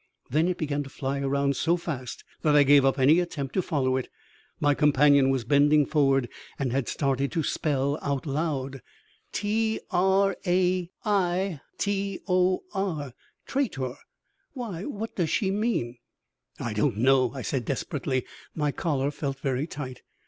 Then it began to fly around so fast that I gave up any attempt to follow it. My companion was bending forward and had started to spell out loud: "'T r a i t o r.' Traitor! Why, what does she mean?" "I don't know," I said desperately. My collar felt very tight.